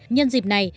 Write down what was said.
nhân dịp này